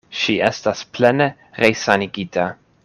Ŝi estas plene resanigita.